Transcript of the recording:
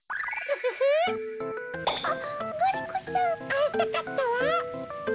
あいたかったわ。